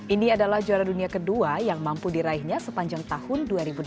ini adalah juara dunia kedua yang mampu diraihnya sepanjang tahun dua ribu delapan belas